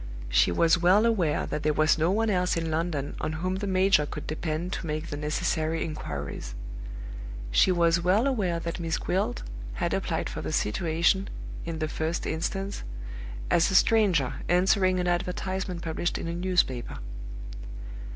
She was well aware that there was no one else in London on whom the major could depend to make the necessary inquiries; she was well aware that Miss Gwilt had applied for the situation, in the first instance, as a stranger answering an advertisement published in a newspaper.